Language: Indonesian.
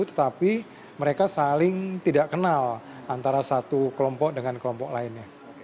tetapi mereka saling tidak kenal antara satu kelompok dengan kelompok lainnya